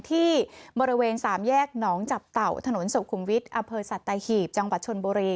ที่บริเวณสามแยกหนองจับเต่าถนนสุขุมวิทย์อำเภอสัตหีบจังหวัดชนบุรี